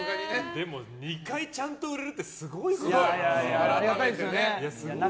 でも、２回ちゃんと売れるってすごいことだからな。